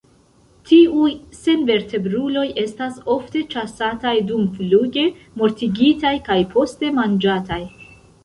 Tiuj senvertebruloj estas ofte ĉasataj dumfluge, mortigitaj kaj poste manĝataj.